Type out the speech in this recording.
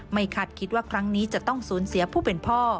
คาดคิดว่าครั้งนี้จะต้องสูญเสียผู้เป็นพ่อ